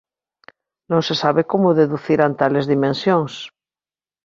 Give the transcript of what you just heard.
Non se sabe como deduciran tales dimensións.